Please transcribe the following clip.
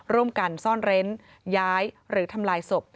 ร่วมกันซ่อนเร้นย้ายหรือทำลายศพ